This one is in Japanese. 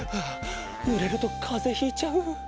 ぬれるとかぜひいちゃう。